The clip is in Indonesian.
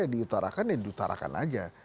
ditarakan ya ditarakan saja